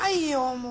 もう！